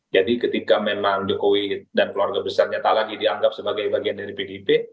jadi ketika memang jokowi dan keluarga besarnya tak lagi dianggap sebagai bagian dari pdip